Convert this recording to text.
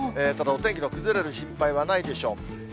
ただ、お天気の崩れる心配はないでしょう。